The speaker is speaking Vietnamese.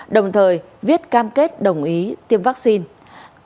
đồng thời viết cam kết đồng ý tiêm vaccine